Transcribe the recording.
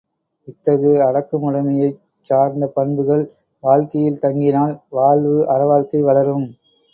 இத்தகு அடக்கமுடைமையைச் சார்ந்த பண்புகள் வாழ்க்கையில் தங்கினால் வாழ்வு அறவாழ்க்கை வளரும்.